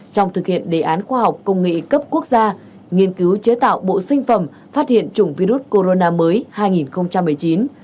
trong thực hiện đề án khoa học công nghệ cấp quốc gia nghiên cứu chế tạo bộ sinh phẩm phát hiện chủng virus corona mới hai nghìn một mươi chín